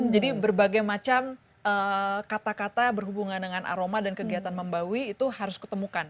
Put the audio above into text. jadi berbagai macam kata kata berhubungan dengan aroma dan kegiatan membaui itu harus ketemukan